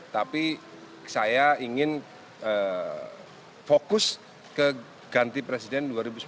tapi saya ingin fokus ke ganti presiden dua ribu sembilan belas